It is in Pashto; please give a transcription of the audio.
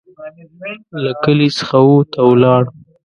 له کلي څخه ووت او ولاړ.